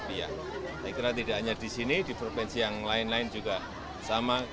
saya kira tidak hanya di sini di provinsi yang lain lain juga sama